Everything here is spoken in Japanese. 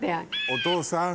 お父さん。